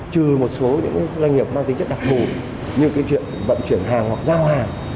trừ một số những doanh nghiệp mang tính chất đặc thủ như cái chuyện vận chuyển hàng hoặc giao hàng